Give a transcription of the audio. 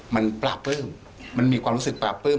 มันปราบปลื้มมันมีความรู้สึกปราบปลื้ม